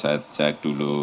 seratus sembilan puluh tujuh